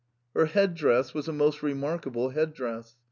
Her head dress was a most remarkable head dress.